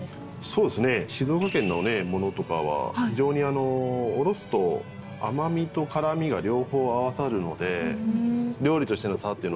そうですね静岡県のものとかは非常におろすと甘みと辛みが両方合わさるので。